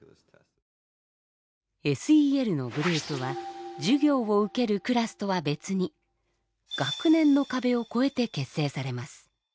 ＳＥＬのグループは授業を受けるクラスとは別に学年の壁を超えて結成されます。